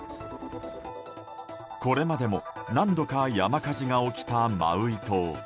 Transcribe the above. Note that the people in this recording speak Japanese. これまでも何度か山火事が起きたマウイ島。